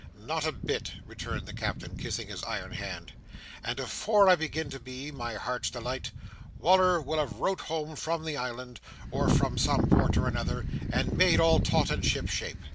"Not a bit," returned the Captain, kissing his iron hand; "and afore I begin to be, my Hearts delight, Wal"r will have wrote home from the island, or from some port or another, and made all taut and ship shape."